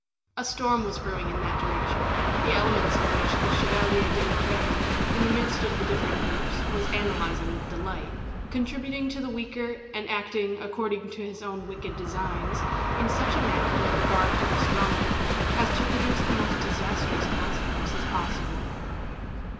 A storm was brewing in that direction, the elements of which the Chevalier de Lorraine, in the midst of the different groups, was analyzing with delight, contributing to the weaker, and acting, according to his own wicked designs, in such a manner with regard to the stronger, as to produce the most disastrous consequences possible.